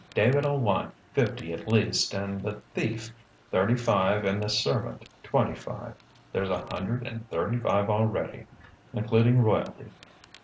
David'll want fifty at least, and the Thief thirty five and the servant twenty five: there's a hundred and thirty five already, including royalty.